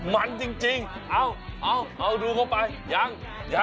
มันจริงเอ้าดูเข้าไปยัง